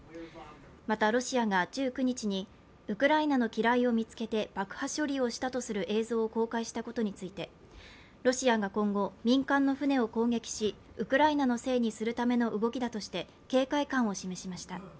また、ロシアが１９日にウクライナの機雷を見つけて爆破処理をしたとする映像を公開したことについてロシアが今後、民間の船を攻撃しウクライナのせいにするための動きだとして警戒感を示しました。